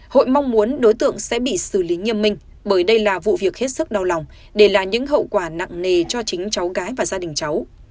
hội mong muốn đối tượng sẽ bị xử lý nghiêm minh bởi đây là vụ việc hết sức đau lòng để lại những hậu quả nặng nề cho chính cháu gái và gia đình cháu